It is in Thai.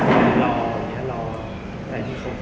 แล้วก็ครับแพทย์นึง